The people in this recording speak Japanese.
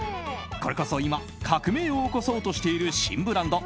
これこそ今、革命を起こそうとしている新ブランド